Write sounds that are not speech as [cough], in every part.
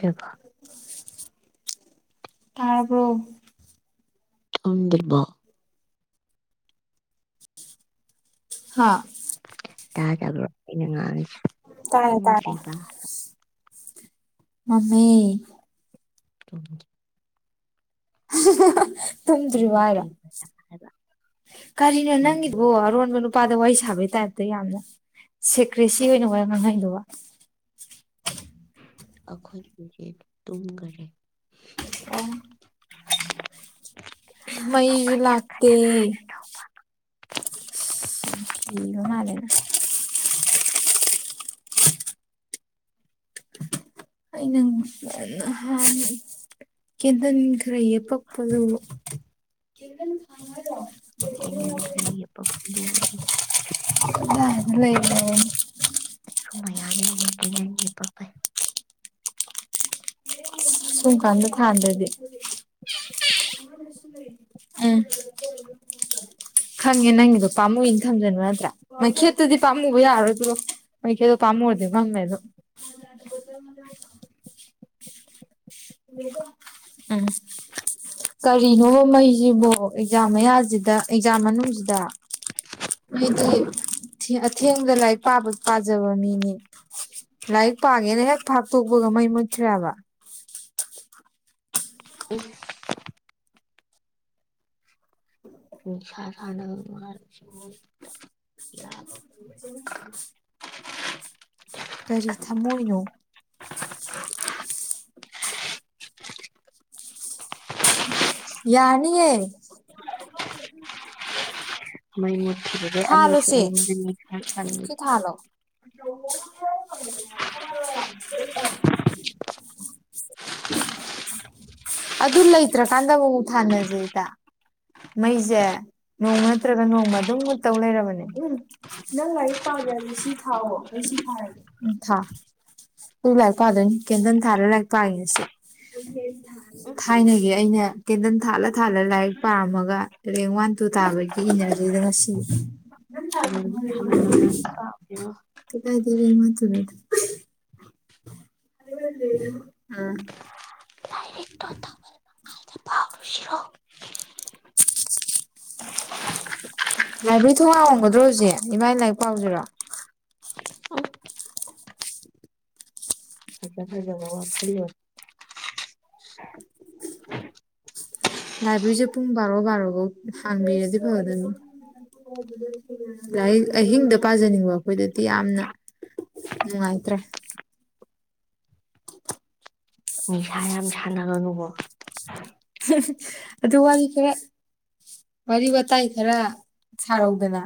ꯍ ꯇꯥꯔꯕꯣ ꯊꯗꯕ [inaudible] ꯍꯥꯥ ꯇꯥ ꯗꯕ꯭ꯔꯣ ꯑꯩꯅ ꯉꯥꯡꯉꯤꯁꯦ ꯇꯔꯥ ꯇꯔꯥ ꯇꯨꯝꯗ꯭ꯔꯤꯕ ꯃꯃꯤ ꯎ ꯇꯨꯝꯗ꯭ꯔꯤꯕ ꯍꯥꯏꯗꯣ ꯀꯔꯤꯅꯣ ꯍꯣꯏ ꯅꯪꯒꯤꯗ ꯑꯣ ꯑꯔꯣꯟꯕ ꯅꯨꯄꯥꯗ ꯋꯥꯔꯤ ꯁꯥꯕꯒꯤ ꯇꯥꯏꯞꯇ ꯌꯥꯝꯅ ꯁꯦꯀ꯭ꯔꯦꯁꯤ ꯑꯣꯏꯅ ꯋꯥ ꯉꯥꯡꯍꯩꯗꯧꯕ ꯑꯩꯈꯣꯏ ꯇꯨꯝꯈꯔꯦ ꯎ ꯃꯩꯁꯨ ꯂꯥꯛꯇꯦ ꯒ ꯃꯥꯂꯅ ꯑꯩꯅꯍꯥꯟ ꯀꯦꯟꯗꯜ ꯌꯦꯄꯥ ꯄꯉꯣ ꯀꯅꯦ ꯈꯥꯏ ꯄꯗ ꯑꯣꯏ ꯂ ꯂꯩ ꯂꯩ ꯁꯨꯝ ꯃꯌꯥꯝ ꯂꯩꯌꯦꯦ ꯀꯦ ꯅꯅꯦ ꯄꯄꯩ ꯁꯨꯝꯀꯥꯟꯗ ꯊꯥꯟꯗ꯭ꯔꯗꯤ ꯎꯝ ꯈꯪꯉꯦ ꯅꯪꯒꯤꯗꯣ ꯄꯥꯝꯃꯨꯏꯅ ꯊꯝꯖꯅꯨ ꯅꯠꯇ꯭ꯔꯥ ꯃꯩꯈꯦꯠꯇꯨꯗꯤ ꯄꯥꯝꯃꯨꯕ ꯌꯥꯔꯣꯏꯗꯔꯣ ꯃꯣꯏ ꯀꯦꯗꯣꯄꯥꯄ ꯑꯃꯃ ꯑꯣꯏꯔꯗꯤ ꯃꯝꯃꯦ ꯑꯗꯨ ꯑꯗꯖ ꯃ [unintelligible] ꯎꯝ ꯀꯔꯤꯅꯣ ꯃꯩꯁꯤꯕꯣ ꯑꯦꯛꯖꯥꯝ ꯃꯌꯥꯁꯤꯗ ꯑꯦꯛꯖꯥꯝ ꯃꯅꯨꯡꯁꯤꯗ ꯑꯩꯗꯤ ꯑꯊꯦꯡꯕꯗ ꯂꯥꯏꯔꯤꯛ ꯄꯥꯕ ꯄꯥꯖꯕ ꯃꯤꯅꯤ ꯂꯥꯏꯔꯤꯛ ꯄꯥꯉꯦꯅ ꯍꯦꯛ ꯐꯥꯛꯇꯣꯛꯄꯒ ꯃꯩ ꯃꯨꯠꯇ꯭ꯔꯦꯕ ꯎꯝ ꯁꯥ ꯁꯅ ꯃꯔ ꯀꯔꯤ ꯊꯝꯃꯣꯏꯅꯣ ꯌꯥꯅꯤꯌꯦ ꯃꯩ ꯃꯨꯠꯈꯤꯕꯒꯦ ꯑꯃꯁꯨ ꯑꯩꯉꯣꯟꯗ ꯅꯤꯡꯈꯥ ꯐꯂꯣ ꯎ ꯑ ꯎꯑ [unintelligible] ꯆꯆ [unintelligible] ꯑꯗꯨ ꯂꯩꯇ꯭ꯔ ꯀꯥꯟꯗꯕꯕꯨ ꯊꯥꯅꯖꯦꯩꯗ ꯃꯩꯁꯦ ꯅꯣꯡꯃ ꯅꯠꯇ꯭ꯔꯒ ꯅꯣꯡꯃ ꯑꯗꯨꯝ ꯃꯨꯠꯇꯧ ꯂꯩꯔꯕꯅꯦ ꯅꯪ ꯂꯥꯏꯔꯤꯛ ꯄꯥꯗꯗꯤ ꯁꯤ ꯊꯥꯎꯋꯣ ꯑꯩ ꯁꯤ ꯊꯥꯔꯒꯦ ꯎ ꯊ ꯇ ꯂꯥꯛ ꯄꯗꯅꯤ ꯀꯦꯟꯇꯅꯤ ꯊꯥꯔꯂ ꯂꯥꯛꯄꯒꯦ ꯁꯤ ꯎꯝ ꯊꯥꯏꯅꯒꯤꯦ ꯑꯩꯅ ꯀꯦꯟꯗꯜ ꯊꯥꯜꯂ ꯊꯥꯜꯂ ꯂꯥꯏ ꯄꯥꯝꯃꯒ ꯔꯦꯡ ꯋꯥꯟ ꯇꯨ ꯊꯥꯕꯒꯤ ꯏꯅꯔꯖꯤꯗ ꯉꯁꯤ ꯊꯥꯕꯜ ꯊꯥꯕꯜ ꯃꯉꯥꯟꯗꯣ ꯄꯥꯎꯁꯤꯔꯣ ꯀꯗꯥꯥꯏꯗꯒꯤꯔ ꯃꯥꯊꯨꯔ ꯑꯗꯨ ꯑꯥ ꯂꯥꯏꯔꯤꯛꯇꯣ ꯇꯞꯅ ꯄꯥꯔꯨꯁꯤꯔꯣ ꯂꯥꯏꯕ꯭ꯔꯔꯤ ꯊꯣꯡ ꯂ ꯍꯝꯒꯗ꯭ꯔꯣ ꯍꯧꯖꯤꯛ ꯏꯃꯥꯏ ꯂꯥꯏꯔꯤꯛ ꯄꯥꯎꯁꯤꯔꯣ ꯎꯝ ꯐꯖ ꯐꯖ ꯃ ꯐ ꯂꯥꯏꯕ꯭ꯔꯦꯔꯤꯁꯦ ꯄꯨꯡ ꯕꯥꯔꯣ ꯕꯥꯔꯣꯐꯧ ꯍꯥꯡꯕꯤꯔꯗꯤ ꯐꯒꯗꯕꯅꯤ ꯂꯥꯏꯔꯤꯛ ꯑꯍꯤꯡꯗ ꯄꯥꯖꯅꯤꯡꯕ ꯑꯩꯈꯣꯏꯗꯗꯤ ꯌꯥꯝꯅ ꯎꯝ ꯅꯨꯡꯉꯥꯏꯇ꯭ꯔꯦ ꯅꯤꯁꯥ ꯌꯥꯝ ꯁꯥꯟꯅꯒꯅꯨꯀꯣ ꯑꯗꯨ ꯋꯥ ꯀꯦ ꯋꯥꯔꯤ ꯋꯥꯇꯥꯏ ꯈꯔ ꯁꯥꯔꯧꯗꯅ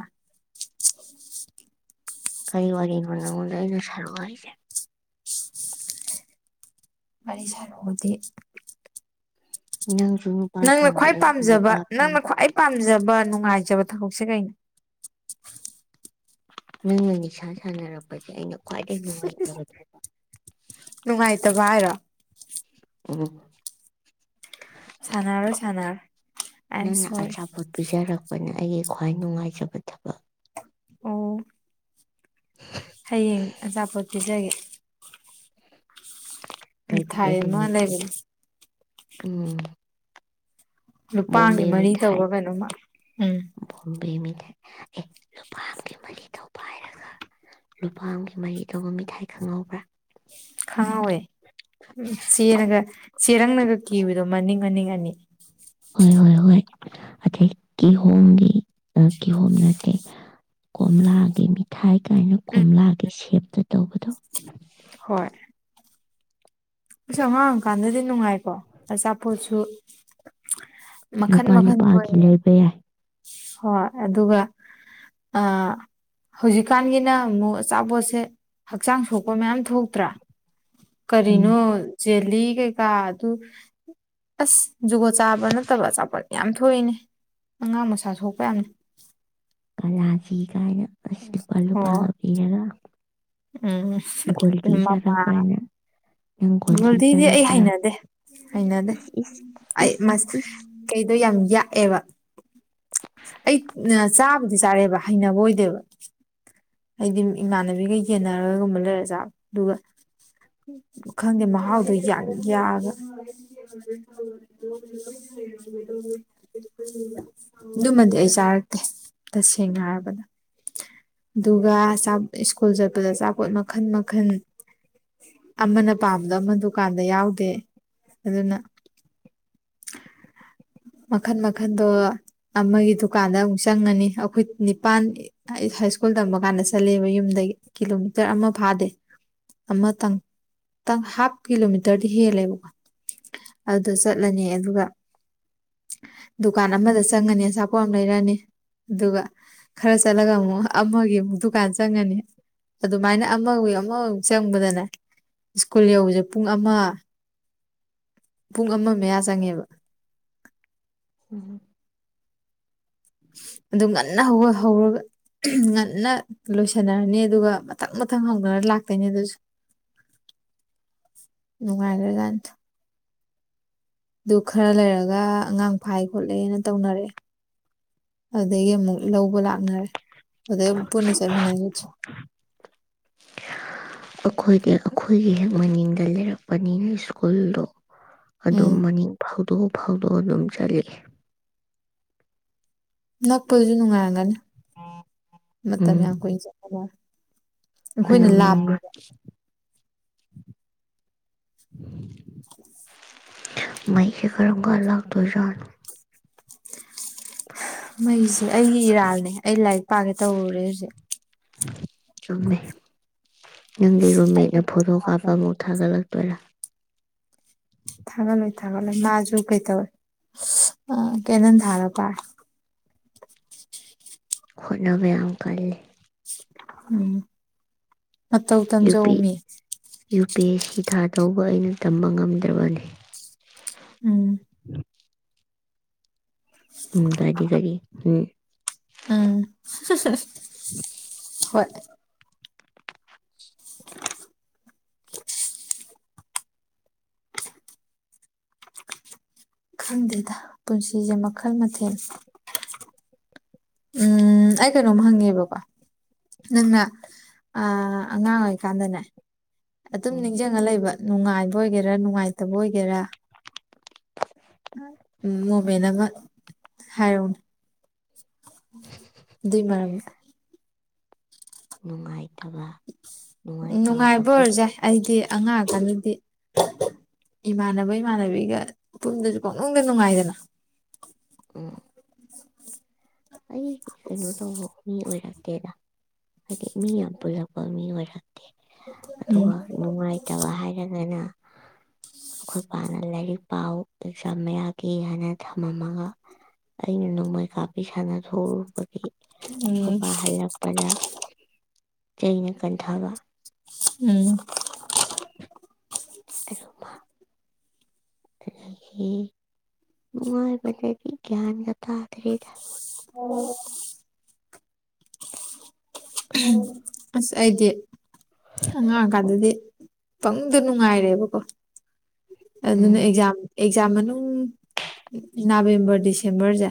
ꯀꯔꯤ ꯋꯥꯔꯤꯅꯅꯉꯗ ꯑꯩꯅ ꯁꯥꯔꯨ ꯍꯥꯏꯁꯦ ꯃꯅꯤ ꯁꯔ ꯍꯗꯤ ꯅꯪ ꯅꯪꯅ ꯈ꯭ꯋꯥꯏ ꯄꯥꯝꯖꯕ ꯅꯪꯅ ꯈ꯭ꯋꯥꯏ ꯄꯥꯝꯖꯕ ꯅꯨꯡꯉꯥꯏꯖꯕ ꯊꯕꯛꯁꯦ ꯀꯩꯅꯣ ꯅꯪꯅ ꯅꯤꯁꯥ ꯁꯥꯟꯅꯔꯛꯄꯒꯤ ꯑꯩꯅ ꯈ꯭ꯋꯥꯏꯗꯒꯤ ꯅꯨꯡꯉꯥꯏꯇꯕ ꯅꯨꯡꯉꯥꯏꯇꯕ ꯍꯥꯏꯔꯣ ꯎ ꯁꯅꯥꯔꯣ ꯁꯅꯥꯔꯣ ꯑꯥꯏ ꯑꯦꯝ ꯅꯪꯅ ꯁꯣꯔꯤ ꯑꯆꯥꯄꯣꯠ ꯄꯤꯖꯔꯛꯄꯅ ꯑꯩꯒꯤ ꯈ꯭ꯋꯥꯏ ꯅꯨꯡꯉꯥꯏꯖꯕ ꯊꯕꯛ ꯑꯣ [inaudible] ꯍꯌꯦꯡ ꯑꯆꯥꯄꯣꯠ ꯄꯤꯖꯒꯦ ꯀꯥꯏ ꯃꯤꯊꯥꯏ ꯄꯒꯦꯅ ꯑꯃ ꯂꯩꯕꯅꯦ ꯎꯝ ꯅꯨꯄꯥꯒꯤ ꯕꯣꯝꯕꯦ ꯃꯔꯤ ꯇꯔ ꯀꯩꯅꯣꯃ ꯎꯝ ꯣꯝꯦ ꯂꯩ ꯂꯨꯄꯥꯝꯒꯤ ꯃꯔꯤꯗ ꯄꯥꯏꯔꯒ ꯂꯨꯄꯥ ꯑꯃꯒꯤ ꯃꯔꯤ ꯇꯧꯕ ꯃꯤꯊꯥꯏ ꯈꯪꯍꯧꯕ꯭ꯔꯥ ꯈꯪꯍꯧꯋꯦ ꯎ ꯆꯦꯅꯒ ꯆꯦꯔꯪꯅꯒ ꯀꯤꯕꯗꯣ ꯃꯅꯤꯡ ꯃꯅꯤꯡ ꯑꯅꯤ ꯍꯣꯏ ꯍꯣꯏ ꯍꯣꯏ ꯑꯇꯩ ꯀꯤꯍꯣꯝꯒꯤ ꯀꯤꯍꯣꯝ ꯅꯠꯇꯦ ꯀꯣꯝꯂꯥꯒꯤ ꯃꯤꯊꯥꯏ ꯀꯥꯏꯅ ꯎꯝ ꯀꯣꯝꯂꯥꯒꯤ ꯁꯦꯞꯇ ꯇꯧꯕꯗꯣ ꯍꯣꯏ ꯑꯁ ꯑꯉꯥꯡꯑꯣꯏꯀꯥꯟꯗꯗꯤ ꯅꯨꯡꯉꯥꯏꯀꯣ ꯑꯆꯥꯄꯣꯠꯁꯨ ꯃꯈꯟ ꯂꯨꯄꯥ ꯃꯈꯟ ꯊꯣꯛꯑꯦ ꯂꯨꯄꯥꯒꯤ ꯂꯩꯕ ꯌꯥꯏ ꯍꯣꯏ ꯑꯗꯨꯒ ꯑ ꯍꯧꯖꯤꯛꯀꯥꯟꯒꯤꯅ ꯑꯃꯨꯛ ꯑꯆꯥꯄꯣꯠꯁꯦ ꯍꯛꯆꯥꯡ ꯁꯣꯛꯄ ꯃꯌꯥꯝ ꯊꯣꯛꯇ꯭ꯔꯥ ꯎꯝ ꯀꯔꯤꯅꯣ ꯦꯂꯤ ꯀꯩꯀꯥ ꯑꯗꯨ ꯑꯁ ꯖꯨꯒꯣꯠ ꯆꯥꯕ ꯅꯠꯇꯕ ꯑꯆꯥꯄꯣꯠ ꯌꯥꯝ ꯊꯣꯛꯏꯅꯦ ꯑꯉꯥꯡ ꯃꯁꯥ ꯁꯣꯛꯄ ꯌꯥꯝꯅꯤ ꯀꯂꯥꯖꯤ ꯀꯥꯏꯅ ꯑ ꯂꯨꯄꯥ ꯂꯨꯄꯥꯒ ꯄꯤꯔꯒ ꯒꯣꯜꯗꯤ ꯎꯝꯃꯃ ꯆꯥꯔꯛꯄ꯭ꯔꯅ ꯅꯪ ꯒꯣꯜꯗꯤ ꯒꯣꯜꯗꯤꯗꯤ ꯑꯩ ꯆꯥꯔꯛꯄ꯭ꯔꯥ ꯍꯩꯅꯗꯦ ꯍꯩꯅꯗꯦ ꯏꯁ ꯏꯁ ꯏꯁ ꯑꯩꯁ ꯏꯁ ꯀꯩꯗꯣ ꯌꯥꯝ ꯌꯥꯛꯑꯦꯕ ꯑꯩ ꯆꯥꯕꯨꯗꯤ ꯆꯥꯔꯦꯕ ꯍꯩꯅꯕ ꯑꯣꯏꯗꯦꯕ ꯍꯥꯏꯗꯤ ꯏꯃꯥꯟꯅꯕꯤꯒ ꯌꯦꯟꯅꯔꯒꯒꯨꯝꯕ ꯂꯩꯔꯖꯥ ꯑꯗꯨꯒ ꯈꯪꯗꯦ ꯃꯍꯥꯎꯗꯣ ꯌꯥꯒ ꯑꯥ ꯑꯗꯨꯃꯗꯤ ꯑꯩ ꯆꯥꯔꯛꯇꯦ ꯇꯁꯦꯡꯅ ꯍꯥꯏꯔꯕꯗ ꯑꯗꯨꯒ ꯁ꯭ꯀꯨꯜ ꯆꯠꯄꯗ ꯑꯆꯥꯄꯣꯠ ꯃꯈꯟ ꯃꯈꯟ ꯑꯃꯅ ꯄꯥꯝꯕꯗ ꯑꯃ ꯗꯨꯀꯥꯟꯗ ꯌꯥꯎꯗꯦ ꯑꯗꯨꯅ ꯃꯈꯟ ꯃꯈꯟꯗꯣ ꯑꯃꯒꯤ ꯗꯨꯀꯥꯟꯗ ꯑꯃꯨꯛ ꯆꯪꯉꯅꯤ ꯑꯩꯈꯣꯏ ꯅꯤꯄꯥꯜ ꯑꯩ ꯍꯥꯏ ꯁ꯭ꯀꯨꯜ ꯇꯝꯕ ꯀꯥꯟꯗ ꯆꯠꯂꯦꯕ ꯌꯨꯝꯗꯒꯤ ꯀꯤꯂꯣꯃꯤꯇꯔ ꯑꯃ ꯐꯥꯗꯦ ꯑꯃꯇꯪ ꯇꯪ ꯍꯥꯞ ꯀꯤꯂꯣꯃꯤꯇꯔꯗꯤ ꯍꯦꯜꯂꯦꯕꯀꯣ ꯑꯗꯨꯗ ꯆꯠꯂꯅꯤ ꯑꯗꯨꯒ ꯗꯨꯀꯥꯟ ꯑꯃꯗ ꯆꯪꯉꯅꯤ ꯑꯆꯥꯄꯣꯠ ꯑꯃ ꯂꯩꯔꯛꯅꯤ ꯑꯗꯨꯒ ꯈꯔ ꯆꯠꯂꯒ ꯑꯃꯨꯛ ꯑꯃꯒꯤ ꯑꯃꯨꯛ ꯗꯨꯀꯥꯟ ꯆꯪꯉꯅꯤ ꯑꯗꯨꯃꯥꯏꯅ ꯑꯃꯨ ꯑꯃꯐꯛ ꯆꯪꯕꯗꯅꯦ ꯁ꯭ꯀꯨꯜ ꯌꯧꯕꯁꯦ ꯄꯨꯡ ꯑꯃ ꯄꯨꯡ ꯑꯃ ꯃꯌꯥ ꯆꯪꯉꯦꯕ ꯎꯝ ꯑꯗꯨ ꯉꯟꯅ ꯍꯧꯒꯠ ꯍꯧꯔꯒ ꯉꯟꯅ ꯂꯣꯏꯁꯟꯅꯔꯅꯤ ꯑꯗꯨꯒ ꯃꯊꯪ ꯃꯊꯪ ꯍꯪꯗꯅ ꯂꯥꯛꯇꯣꯏꯅꯤ ꯑꯗꯨꯁꯨ ꯅꯨꯡꯉꯥꯏꯒꯥ꯭ꯔ ꯖꯥꯠꯅꯤꯗ ꯑꯗꯨ ꯈꯔ ꯂꯩꯔꯒ ꯑꯉꯥꯡ ꯐꯥꯏ ꯈꯣꯠꯂꯦꯅ ꯇꯧꯅꯔꯛꯑꯦ ꯑꯗꯨꯗꯒꯤ ꯑꯃꯨꯛ ꯂꯧꯕ ꯂꯥꯛꯅꯔꯦ ꯑꯗꯨꯗꯩꯨ ꯄꯨꯟꯅ ꯆꯠꯃꯤꯟꯅꯒꯁꯤ ꯑꯩꯈꯣꯏꯗꯤ ꯑꯩꯈꯣꯏꯒꯤ ꯍꯦꯛ ꯃꯅꯤꯡꯗ ꯂꯩꯔꯛꯄꯅꯤꯅ ꯁ꯭ꯀꯨꯜꯗꯣ ꯎꯝ ꯑꯗꯨꯝ ꯃꯅꯤꯡ ꯐꯥꯎꯗꯣꯛꯑ ꯐꯥꯎꯗꯣꯛꯑ ꯑꯗꯨꯝ ꯆꯠꯂꯑꯦ ꯅꯛꯄꯗꯨꯁꯨ ꯅꯨꯡꯉꯥꯏꯔꯝꯒꯅꯤ ꯃꯇꯝ ꯌꯥꯝ ꯀꯨꯏꯅ ꯆꯪꯗ ꯍ ꯃꯩꯁ ꯈꯔꯝꯒꯒꯥ ꯂꯥꯛ ꯇꯨꯖꯠ ꯃꯩꯁꯦ ꯑꯩꯒꯤ ꯏꯔꯥꯜꯅꯦ ꯑꯩ ꯂꯥꯏꯔꯤꯛ ꯄꯥꯒꯦ ꯇꯧꯔꯨꯔꯦ ꯍꯧꯖꯤꯛ ꯆꯨꯝ ꯪꯒꯔꯨꯝꯦ ꯍꯗꯣ ꯀꯥꯄ ꯃ ꯎ ꯊꯥꯒꯠꯂꯛꯇꯣꯏꯔꯥ ꯊꯥꯒꯠꯂꯣꯏ ꯊꯥꯒꯠꯂꯣꯏ ꯃꯥꯁꯨ ꯀꯩꯇꯧꯋꯦ ꯀꯦꯟꯗꯟ ꯊꯥꯔ ꯄꯥꯔ ꯍꯣꯠꯅꯕ ꯌꯥꯝ ꯀꯜꯂꯤ꯫ ꯎꯝ ꯃꯇꯧ ꯌꯨ ꯇꯝꯖꯧ ꯄꯤ ꯃꯤ ꯌꯨ ꯄꯤ ꯑꯦꯁ ꯁꯤ ꯊꯥ ꯇꯧꯕ ꯑꯩꯅ ꯇꯝꯕ ꯉꯝꯗ꯭ꯔꯕꯅꯤ꯫ ꯎꯝ [inaudible] ꯎꯝ ꯗꯒꯤ ꯀꯔꯤ ꯎꯝ ꯎꯝ ꯍꯣꯏ ꯈꯪꯗꯦꯗ ꯄꯨꯟꯁꯤꯁꯦ ꯃꯈꯜ ꯃꯊꯦꯟꯅꯤ꯫ ꯎꯝ ꯑꯩ ꯀꯩꯅꯣꯝ ꯍꯪꯉꯦꯕꯀꯣ ꯅꯪꯅ ꯑꯉꯥꯡ ꯑꯣꯏꯀꯥꯟꯗꯅꯦ ꯑꯗꯨꯝ ꯎꯝ ꯅꯤꯡꯁꯤꯡꯉ ꯂꯩꯕ ꯅꯨꯡꯉꯥꯏꯕ ꯑꯣꯏꯒꯦꯔꯥ ꯅꯨꯡꯉꯥꯏꯇꯕ ꯑꯣꯏꯒꯦꯔꯥ ꯎꯝ ꯅꯣꯚꯦꯜ ꯑꯃ ꯍꯥꯏꯌꯣꯅꯦ꯫ ꯑꯗꯨꯏ ꯃꯔꯝꯗꯥ ꯅꯨꯡꯉꯥꯏꯇꯕ ꯅꯨꯡꯉꯥꯏꯇꯕ ꯅꯨꯡꯉꯥꯏꯕ ꯑꯩꯈꯣꯏ ꯑꯣꯏꯔꯁꯦ ꯑꯩꯗꯤ ꯑꯉꯥꯡꯇꯅꯤꯗꯤ ꯏꯃꯥꯟꯅꯕ ꯏꯃꯥꯟꯅꯕꯤꯒ ꯄꯨꯄꯨꯝꯗꯁꯨ ꯀꯣꯛꯅꯨꯡꯗ ꯅꯨꯡꯉꯥꯏꯗꯅ ꯎꯝ ꯑꯩ ꯀꯩꯅꯣ ꯇꯧꯕ ꯃꯤ ꯑꯣꯏꯔꯛꯇꯦꯗ ꯍꯥꯏꯗꯤ ꯃꯤ ꯌꯥꯝ ꯄꯨꯜꯂꯛꯄ ꯃꯤ ꯑꯣꯏꯔꯦ꯫ ꯎꯝ ꯑꯗꯨꯒ ꯅꯨꯡꯉꯥꯏꯇꯕ ꯍꯥꯏꯔꯒꯅ [inaudible] ꯑꯩꯈꯣꯏ ꯄꯥꯅ ꯂꯥꯏꯔꯤꯛ ꯄꯥꯎ ꯑꯦꯛꯖꯥꯝ ꯃꯌꯥꯒꯤ ꯍꯥꯏꯅ ꯊꯝꯃꯝꯃꯒ ꯑꯩꯅ ꯅꯣꯡꯃꯩ ꯀꯥꯞꯄꯤ ꯁꯥꯟꯅꯊꯔꯨꯕꯒꯤ ꯎꯝ ꯑꯩꯣꯏꯕꯥ ꯍꯜꯂꯛꯄꯗ ꯆꯩꯅ ꯀꯟꯊꯕ ꯎꯝ ꯑꯗꯨꯗꯒꯤ ꯃꯃꯥꯏꯗꯤ ꯒꯌꯥꯟꯒ ꯇꯥꯗꯔꯤꯗ [inaudible] ꯑꯁ ꯑꯩꯗꯤ ꯑꯉꯥꯡꯑꯣꯏꯀꯥꯟꯗꯗꯤ ꯄꯪꯅꯨꯡꯗ ꯅꯨꯡꯉꯥꯏꯔꯦꯕꯀꯣ ꯑꯗꯨꯅ ꯎꯝ ꯑꯦꯛꯖꯥꯝ ꯑꯦꯛꯖꯥꯝ ꯃꯅꯨꯡ ꯅꯕꯦꯝꯕꯔ ꯗꯤꯁꯦꯝꯕꯔꯁꯦ꯫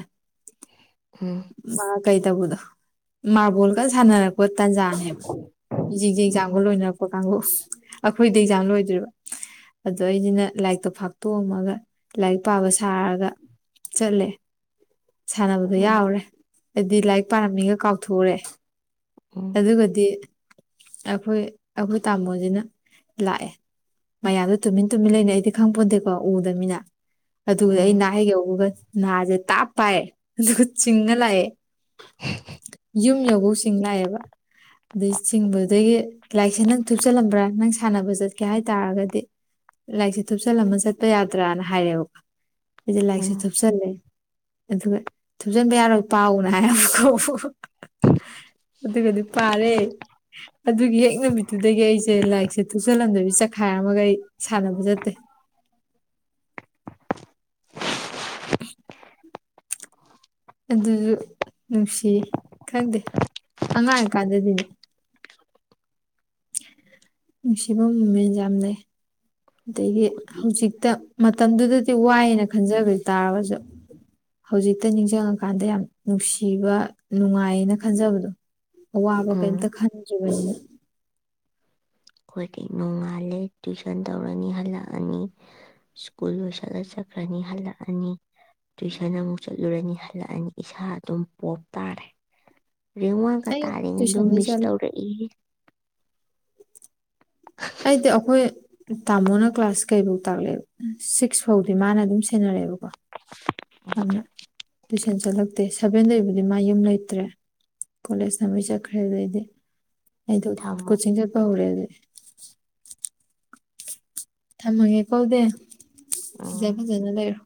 ꯎꯝ ꯃꯥ ꯀꯩ ꯇꯧꯕꯗꯣ ꯃꯥꯔꯕꯣꯜꯒ ꯁꯥꯟꯅꯔꯛꯄ ꯇꯥꯟꯖꯥꯅꯦꯕ ꯃꯤꯁꯤꯡꯁꯦ ꯎꯝ ꯑꯦꯛꯖꯥꯝꯒ ꯂꯣꯏꯅꯔꯛꯄ ꯀꯥꯡꯕꯨ ꯑꯩꯈꯣꯏꯗꯤ ꯑꯦꯛꯖꯥꯝ ꯂꯣꯏꯗ꯭ꯔꯤꯕ ꯑꯗꯣ ꯑꯩꯁꯤꯅ ꯂꯥꯏꯔꯤꯛꯇꯣ ꯐꯥꯛꯇꯣꯛꯑꯝꯃꯒ ꯂꯥꯏꯔꯤꯛ ꯄꯥꯕ ꯁꯥꯔꯒ ꯆꯠꯂꯦ ꯁꯥꯟꯅꯕꯗꯣ ꯎꯝ ꯌꯥꯎꯔꯦ ꯍꯥꯏꯗꯤ ꯂꯥꯏꯔꯤꯛ ꯄꯥꯔꯝꯃꯤꯒ ꯀꯥꯎꯊꯣꯛꯎꯔꯦ [inaudible] ꯑꯗꯨꯒꯗꯤ ꯑꯩꯈꯣꯏ ꯑꯩꯈꯣꯏ ꯇꯥꯃꯣꯁꯤꯅ ꯂꯥꯛꯑꯦ꯫ ꯃꯌꯥꯝꯗꯣ ꯇꯨꯃꯤꯟ ꯇꯨꯃꯤꯟ ꯂꯩꯅ ꯑꯩꯗꯤ ꯈꯪ ꯄꯣꯟꯗꯦꯀꯣ ꯎꯗꯃꯤꯅ ꯑꯗꯨꯗꯤ ꯑꯩ ꯅꯍꯩ ꯌꯧꯕꯒ ꯅꯍꯥꯁꯦ ꯇꯥꯞ ꯄꯥꯏꯔꯦ ꯑꯗꯨꯒ ꯆꯤꯡꯉ ꯂꯥꯛꯑꯦ꯫ ꯌꯨꯝ ꯌꯕꯧꯁꯤꯡ ꯂꯥꯛꯑꯦꯕ ꯑꯗꯩ ꯆꯤꯡꯕꯗꯒꯤ ꯂꯥꯏꯔꯤꯛꯁꯦ ꯅꯪ ꯊꯨꯞꯆꯜꯂꯝꯕ꯭ꯔꯥ ꯅꯪ ꯁꯥꯟꯅꯕ ꯆꯠꯀꯦ ꯍꯥꯏꯇꯥꯔꯒꯗꯤ ꯂꯥꯏꯔꯤꯛꯁꯦ ꯊꯨꯞꯆꯜꯂꯝꯃ ꯆꯠꯄ ꯌꯥꯗ꯭ꯔꯥꯅ ꯍꯥꯏꯔꯛꯑꯦꯕꯀꯣ ꯑꯩꯁꯦ ꯂꯥꯏꯔꯤꯛꯁꯦ ꯎꯝ ꯊꯨꯞꯆꯜꯂꯦ꯫ ꯑꯗꯨꯒ ꯊꯨꯞꯖꯤꯟꯕ ꯌꯥꯔꯣꯏ ꯄꯥꯎꯅ ꯍꯥꯏꯕꯀꯣ ꯑꯗꯨꯒꯗꯤ ꯄꯥꯔꯦ꯫ ꯑꯗꯨꯒꯤ ꯍꯛ ꯅꯨꯃꯤꯠꯇꯨꯗꯒꯤ ꯑꯩꯁꯦ ꯂꯥꯏꯔꯤꯛꯁꯦ ꯇꯨꯁꯜꯂꯝꯗꯕꯤ ꯆꯈꯥꯏꯔꯝꯃꯒ ꯑꯩ ꯁꯥꯟꯅꯕ ꯆꯠꯇꯦ꯫ ꯑꯗꯨꯁꯨ ꯅꯨꯡꯁꯤꯌꯦ ꯈꯪꯗꯦ ꯑꯉꯥꯡꯀꯥꯟꯗꯗꯤꯅꯦ ꯅꯨꯡꯁꯤꯕ ꯃꯨꯃꯦꯟꯁ ꯌꯥꯝ ꯂꯩ꯫ ꯑꯗꯒꯤ ꯍꯧꯖꯤꯛꯇ ꯃꯇꯝꯗꯨꯗꯗꯤ ꯋꯥꯏꯑꯅ ꯈꯟꯖꯕꯗꯨ ꯇꯥꯔꯒꯁꯨ ꯍꯧꯖꯤꯛꯇ ꯅꯤꯡꯁꯤꯡꯉꯀꯥꯟꯗ ꯌꯥꯝ ꯅꯨꯡꯁꯤꯕ ꯅꯨꯡꯉꯥꯏꯌꯦꯅ ꯈꯟꯖꯕꯗꯣ ꯑ ꯋꯥꯕ ꯎꯝ ꯀꯩꯝꯇ ꯈꯟꯖꯕꯅꯤ ꯑꯩꯈꯣꯏꯗꯤ ꯅꯣꯡꯉꯥꯜꯂꯦ ꯇꯨꯏꯁꯟ ꯇꯧꯔꯅꯤ ꯍꯜꯂꯛꯑꯅꯤ ꯁ꯭ꯀꯨꯜ ꯂꯣꯏꯁꯠꯂ ꯆꯠꯈ꯭ꯔꯅꯤ ꯍꯜꯂꯛꯑꯅꯤ ꯇꯨꯏꯁꯟ ꯑꯃꯨꯛ ꯆꯠꯂꯨꯔꯅꯤ ꯍꯜꯂꯛꯑꯅꯤ ꯏꯁꯥ ꯑꯗꯨꯝ ꯄꯣꯞ ꯇꯥꯔꯦ ꯔꯦꯡ ꯋꯥꯟꯒ ꯑꯩ ꯇꯥꯔꯤꯉꯩꯗꯣ ꯇꯨꯏꯁꯟꯗꯤ ꯃꯤꯁ ꯆꯠꯂꯦ ꯇꯧꯔꯛꯏꯍꯦ ꯑꯩꯗꯤ ꯑꯩꯈꯣꯏ ꯇꯥꯃꯣꯅ ꯀ꯭ꯂꯥꯁ ꯀꯩ ꯐꯧ ꯇꯥꯛꯂꯛꯦꯕ ꯁꯤꯛꯁ ꯐꯥꯎꯗꯤ ꯃꯥꯅ ꯑꯗꯨꯝ ꯁꯦꯟꯅꯔꯛꯑꯦꯕꯀꯣ ꯑꯗꯨꯅ ꯇꯨꯏꯁꯟ ꯆꯠꯂꯛꯇꯦ ꯁꯚꯦꯟꯗꯒꯤ ꯕꯨꯗꯤ ꯃꯥ ꯌꯨꯝ ꯂꯩꯇ꯭ꯔꯦ ꯀꯣꯂꯦꯖꯇꯂꯣꯏ ꯆꯠꯈ꯭ꯔꯦ ꯑꯗꯨꯗꯩꯗꯤ ꯑꯩꯗꯣ ꯊꯝꯃꯣ ꯀꯣꯆꯤꯡ ꯆꯠꯄ ꯍꯧꯔꯦ ꯑꯗꯨꯗꯤ ꯊꯝꯃꯒꯦ ꯀꯧꯗꯦ ꯐꯖ ꯎꯝ ꯐꯖꯅ ꯂꯩꯔꯣ